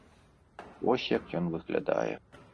Вось як ён выглядае.